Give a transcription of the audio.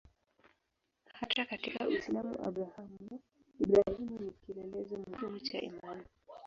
Hata katika Uislamu Abrahamu-Ibrahimu ni kielelezo muhimu cha imani.